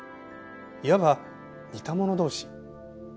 いわば似た者同士。